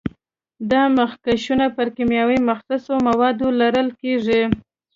دا مخکشونه پر کیمیاوي مخصوصو موادو لړل کېږي.